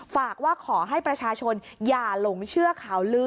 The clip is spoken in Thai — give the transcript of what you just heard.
ฝากว่าขอให้ประชาชนอย่าหลงเชื่อข่าวลือ